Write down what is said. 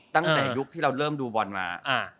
ตั้งแต่ยุคที่เราเริ่มดูบอลมา